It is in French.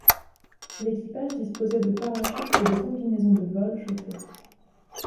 L'équipage disposait de parachutes et de combinaisons de vol chauffées.